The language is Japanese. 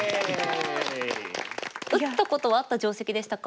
打ったことはあった定石でしたか？